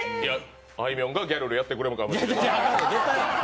あいみょんがギャルルやってくれるかもしれない。